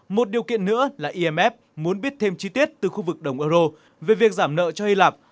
một điều kiện nữa là imf muốn biết thêm chi tiết từ khu vực đồng euro về việc giảm nợ cho hy lạp